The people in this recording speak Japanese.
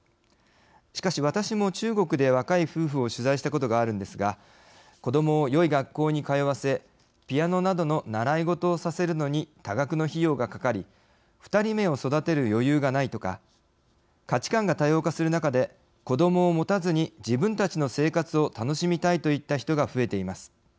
しかし私も中国で若い夫婦を取材したことがあるのですが子どもをよい学校に通わせピアノなどの習い事をさせるのに多額の費用がかかり二人目を育てる余裕がないとか価値観が多様化する中で子どもを持たずに自分たちの生活を楽しみたいといった人が増えています。